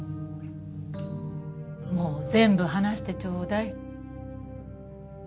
もう全部話してちょうだい。